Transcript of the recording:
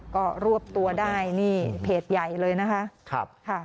ก็รวบตัวได้นี่เพจใหญ่เลยนะคะ